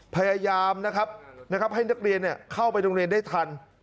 พยายามนะครับให้นักเรียนเข้าไปโรงเรียนได้ทัน